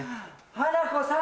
花子さん！